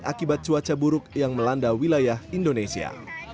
akibat cuaca buruk yang melanda wilayah indonesia